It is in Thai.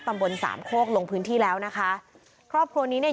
ตำบลสามโคกลงพื้นที่แล้วนะคะครอบครัวนี้เนี่ย